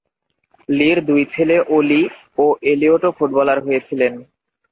লি'র দুই ছেলে অলি ও এলিয়টও ফুটবলার হয়েছিলেন।